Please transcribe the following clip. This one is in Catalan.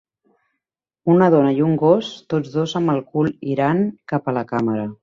una dona i un gos tots dos amb el cul irant cap la càmera